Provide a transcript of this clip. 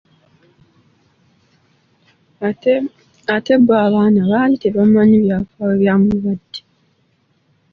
Ate bo abaana baali tebamanyi byafaayo bya mulwadde.